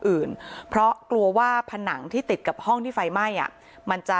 อื่นเพราะกลัวว่าผนังที่ติดกับห้องที่ไฟไหม้อ่ะมันจะ